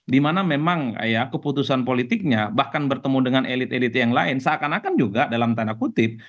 dimana memang ya keputusan politiknya bahkan bertemu dengan elit elit yang lain seakan akan juga dalam tanda kutip